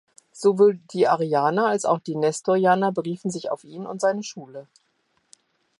Sowohl die Arianer als auch die Nestorianer beriefen sich auf ihn und seine Schule.